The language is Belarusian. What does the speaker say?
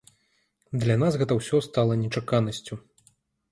Для нас гэта ўсё стала нечаканасцю.